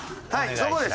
そこです。